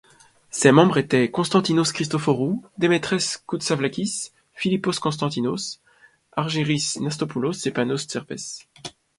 Ses membres étaient Constantínos Christofórou, Demetres Koutsavlakis, Philippos Constantinos, Argyris Nastopoulos et Panos Tserpes.